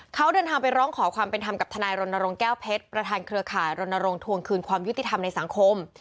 เขาเดินทางไปร้องขอความเป็นธรรมกับทนายรณรงค์แก้วเพชรประธานเครือข่ายรณรงค์ทวงคืนความยุติธรรมในสังคม